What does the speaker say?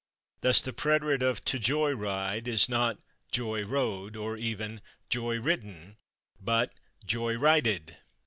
Thus the preterite of /to joy ride/ is not /joy rode/, nor even /joy ridden/, but /joy rided